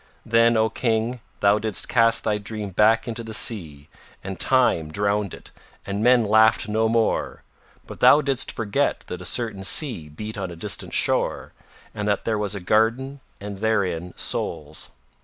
Then, O King, Thou didst cast thy dream back into the Sea, and Time drowned it and men laughed no more, but thou didst forget that a certain sea beat on a distant shore and that there was a garden and therein souls.